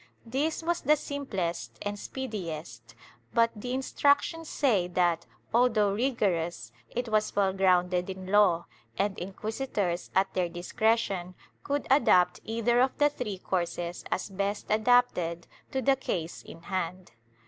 This was the simplest and speediest, but the Instructions say that, although rigorous, it was well grounded in law, and inquisitors, at their discretion, could adopt either of the three courses as best adapted to the case in hand.